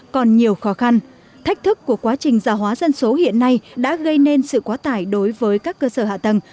còn nhiều khó khăn thách thức của quá trình gia hóa dân số hiện nay đã gây nên sự quá tải đối với các cơ sở hạ tầng